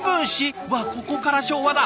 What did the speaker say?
うわっここから昭和だ。